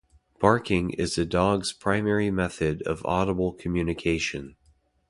Barking is a dog's primary method of audible communication.